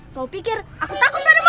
kau pikir aku takut padamu